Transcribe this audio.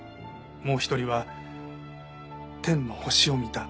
もう一人は天の星を見た」。